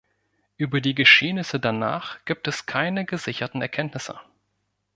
Über die Geschehnisse danach gibt es keine gesicherten Erkenntnisse.